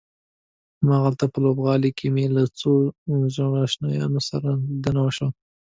هماغلته په لوبغالي کې مې له څو زړو آشنایانو سره لیدنه وشوه.